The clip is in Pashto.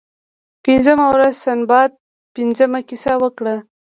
پنځمه ورځ سنباد پنځمه کیسه وکړه.